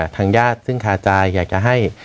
ทางญาติซึ่งคาใจอยากจะให้